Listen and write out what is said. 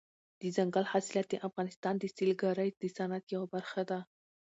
دځنګل حاصلات د افغانستان د سیلګرۍ د صنعت یوه برخه ده.